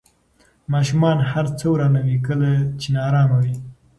ماشومان هر څه ورانوي کله چې نارامه وي.